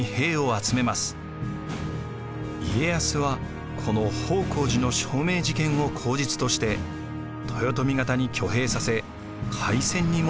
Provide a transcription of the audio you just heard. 家康はこの方広寺の鐘銘事件を口実として豊臣方に挙兵させ開戦に持ち込んだのです。